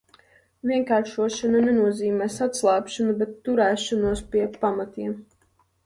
Vienkāršošana nenozīmēs atslābšanu, bet turēšanos pie pamatlietām.